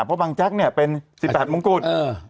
เพราะบังแจ๊กเป็น๑๘มงกุฎ